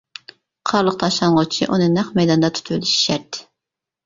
قارلىق تاشلانغۇچى ئۇنى نەق مەيداندا تۇتۇۋېلىشى شەرت.